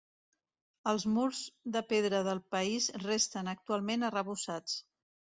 Els murs de pedra del país resten, actualment, arrebossats.